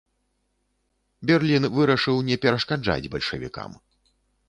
Берлін вырашыў не перашкаджаць бальшавікам.